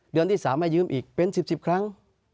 เดือนที่สามให้ยืมอีกเป็นสิบสิบครั้ง